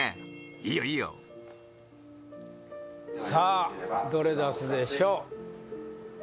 いいよいいよさあどれ出すでしょう？